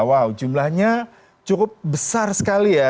wow jumlahnya cukup besar sekali ya